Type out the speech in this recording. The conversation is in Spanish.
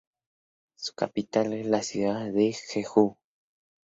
Su capital es la Ciudad de Jeju.